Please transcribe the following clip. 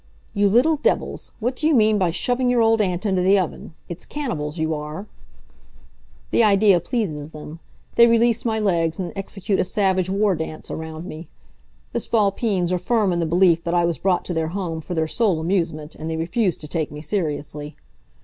"You little divils, what do you mean by shoving your old aunt into the oven! It's cannibals you are!" The idea pleases them. They release my legs and execute a savage war dance around me. The Spalpeens are firm in the belief that I was brought to their home for their sole amusement, and they refuse to take me seriously.